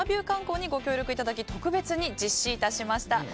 観光にご協力いただき特別に実施いたしました。